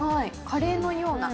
カレーのような。